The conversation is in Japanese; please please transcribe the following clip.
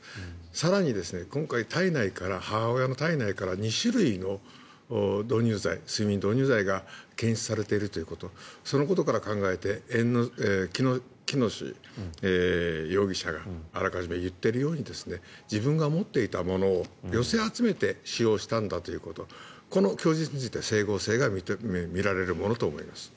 更に、今回母親の体内から２種類の睡眠導入剤が検出されているということそのことから考えて喜熨斗容疑者があらかじめ言っているように自分が持っていたものを寄せ集めて使用したんだということこの供述自体、整合性がみられるものと思います。